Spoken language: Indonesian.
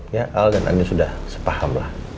ya al dan anda sudah sepahamlah